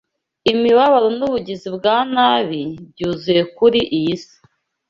imibabaro n’ubugizi bwa nabi byuzuye kuri iyi si.